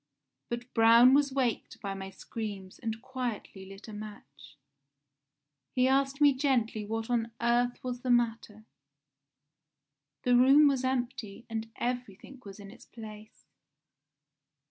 But Braun was waked by my screams and quietly lit a match. He asked me gently what on earth was the matter. The room was empty and everything was in its place.